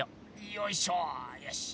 よいしょよし。